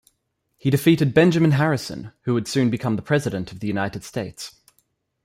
He defeated Benjamin Harrison who would soon become the President of the United States.